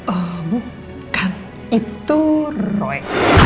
oh bukan itu roy